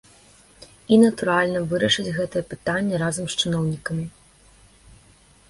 І, натуральна, вырашыць гэтае пытанне разам з чыноўнікамі.